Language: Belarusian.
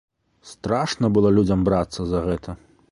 Страшна было людзям брацца за гэта.